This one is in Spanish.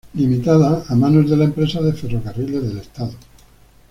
Ltd a manos de la Empresa de Ferrocarriles del Estado.